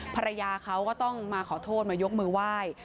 ภรรยาเขาก็ต้องมาขอโทษมายกมือไหว้